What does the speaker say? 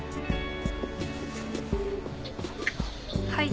はい。